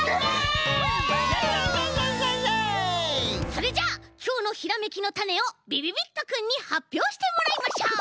それじゃあきょうのひらめきのタネをびびびっとくんにはっぴょうしてもらいましょう。